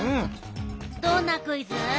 どんなクイズ？